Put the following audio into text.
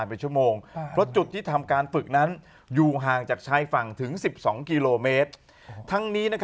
เนี่ยเขาจอดอย่างเงี้ย